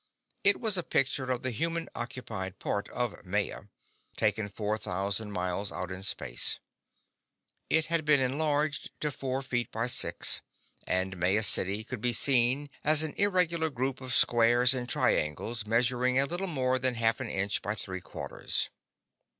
It was a picture of the human occupied part of Maya, taken four thousand miles out in space. It had been enlarged to four feet by six, and Maya City could be seen as an irregular group of squares and triangles measuring a little more than half an inch by three quarters.